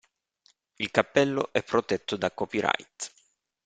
Il cappello è protetto da copyright.